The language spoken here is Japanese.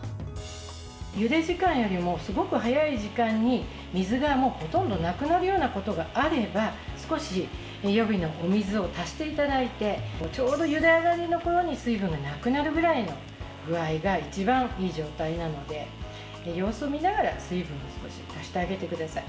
ゆで時間よりもすごく早い時間に水が、ほとんどなくなるようなことがあれば少し予備のお水を足していただいてちょうどゆで上がりのころに水分がなくなるくらいの具合が一番いい状態なので様子を見ながら水分を少し足してあげてください。